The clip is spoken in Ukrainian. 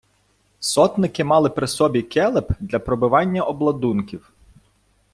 Сотники мали при собі келеп для пробивання обладунків.